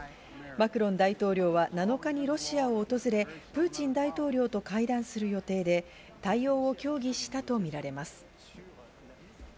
マクロン大統領は７日にロシアを訪れ、プーチン大統領と会談する予定で、対応を協議したとみられます。